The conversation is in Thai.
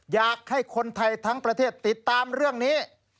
อยากให้คนไทยทั้งประเทศติดตามเรื่องนี้